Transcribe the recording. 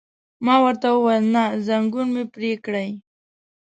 ما ورته وویل: نه، ځنګون مې پرې کړئ.